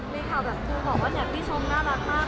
มีข่าวแบบคือบอกว่าพี่ชมน่ารักมาก